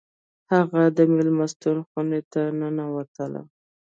هغه د میلمستون خونې ته ننوتله